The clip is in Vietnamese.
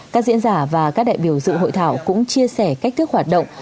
các diễn giả và các đại biểu dự hội thảo cũng chia sẻ cách thức hoạt động